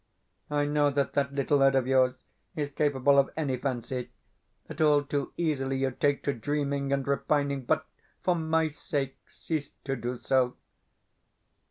I know that that little head of yours is capable of any fancy that all too easily you take to dreaming and repining; but for my sake, cease to do so.